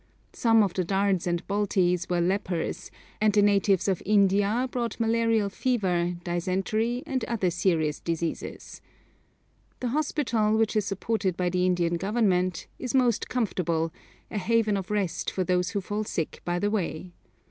Some of the Dards and Baltis were lepers, and the natives of India brought malarial fever, dysentery, and other serious diseases. The hospital, which is supported by the Indian Government, is most comfortable, a haven of rest for those who fall sick by the way.